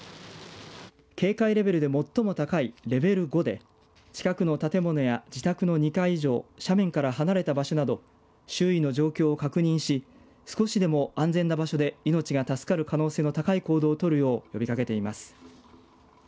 警戒レベルで最も高いレベル５で近くの建物や自宅の２階以上斜面から離れた場所など周囲の状況を確認し少しでも安全な場所で命が助かる可能性の高い行動を取るよう呼びかけています。